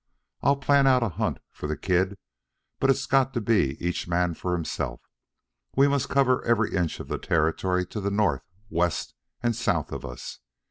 I'll plan out a hunt for the kid, but it has got to be each man for himself. We must cover every inch of the territory to the north, west and south of us.